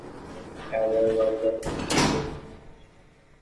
Parallel ওয়ার্ল্ডজাতীয় যত বই পাচ্ছি পড়ছি।